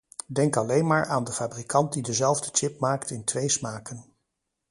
Denk alleen maar aan de fabrikant die dezelfde chip maakt in twee smaken.